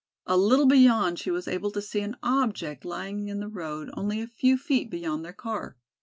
A little beyond she was able to see an object lying in the road only a few feet beyond their car.